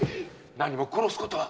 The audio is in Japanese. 何も殺すことは！